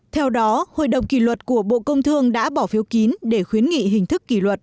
theo đó hội đồng kỷ luật của bộ công thương đã bỏ phiếu kín để khuyến nghị hình thức kỷ luật